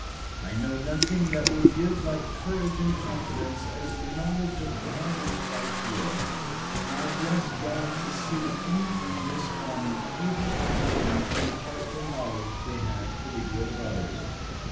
I know nothing that will give like courage and confidence as the knowledge of God in Christ will; and I bless God to see any in this army able and willing to impart the knowledge they have for the good of others.